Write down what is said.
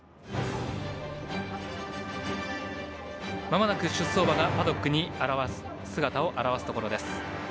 まもなく出走馬がパドックに姿を現すところです。